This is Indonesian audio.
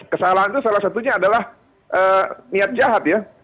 kesalahan itu salah satunya adalah niat jahat ya